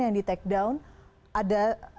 yang di take down ada